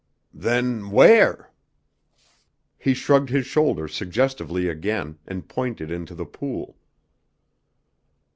"Then where?" He shrugged his shoulders suggestively again, and pointed into the pool.